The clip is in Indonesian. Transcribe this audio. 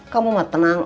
kamu mah tenang aja